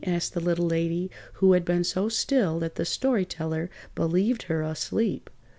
asked the Little Lady, who had been so still that the Story Teller believed her asleep.